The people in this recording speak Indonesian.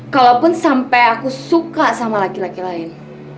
kalaupun sampai aku suka sama laki laki lain